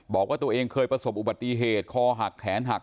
บอกว่าตัวเองเคยประสบอุบัติเหตุคอหักแขนหัก